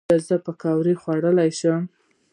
ایا زه پکوړې وخورم؟